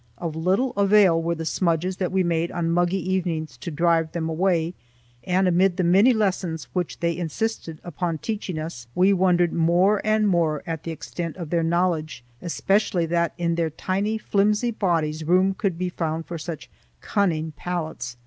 Of little avail were the smudges that we made on muggy evenings to drive them away; and amid the many lessons which they insisted upon teaching us we wondered more and more at the extent of their knowledge, especially that in their tiny, flimsy bodies room could be found for such cunning palates.